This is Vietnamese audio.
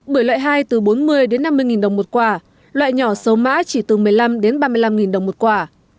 bưởi loại hai từ bốn mươi năm mươi nghìn đồng một quả loại nhỏ sâu mã chỉ từ một mươi năm ba mươi năm đồng một quả